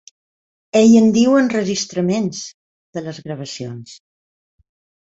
Ell en diu enregistraments, de les gravacions.